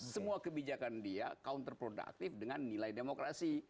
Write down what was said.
semua kebijakan dia counterproductive dengan nilai demokrasi